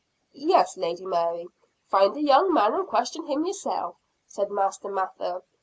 "Yes, Lady Mary, find the young man, and question him yourself," said Master Mather.